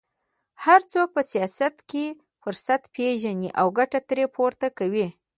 هر څوک په سیاست کې فرصت پېژني او ګټه ترې پورته کوي